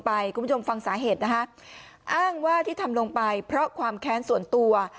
อ้างว่าที่ทำลงไปเพราะความแค้นส่วนตัว